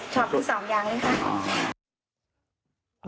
ชอบที่สองอย่างนี้ค่ะ